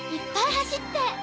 走って。